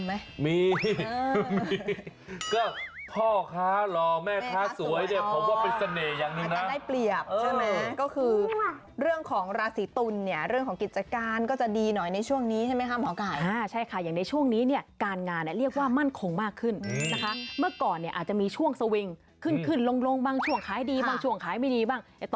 โหเด็บผมว่าเป็นเสน่ห์อย่างนึงนะครับอ๋ออ๋ออ๋ออ๋ออ๋ออ๋ออ๋ออ๋ออ๋ออ๋ออ๋ออ๋ออ๋ออ๋ออ๋ออ๋ออ๋ออ๋ออ๋ออ๋ออ๋ออ๋ออ๋ออ๋ออ๋ออ๋ออ๋ออ๋ออ๋ออ๋ออ๋ออ๋ออ๋ออ๋ออ๋ออ๋ออ๋ออ๋อ